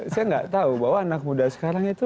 saya nggak tahu bahwa anak muda sekarang itu